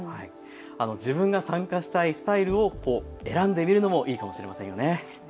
自分が参加したいスタイルを選んでみるのもいいかもしれませんね。